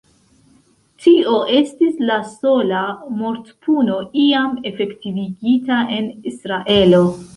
Tio estis la sola mortpuno iam efektivigita en Israelo.